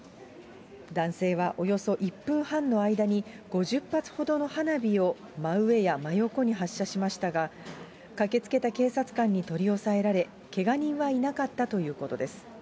男性はおよそ１分半の間に、５０発ほどの花火を真上や真横に発射しましたが、駆けつけた警察官に取り押さえられ、けが人はいなかったということです。